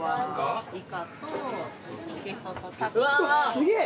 すげえ！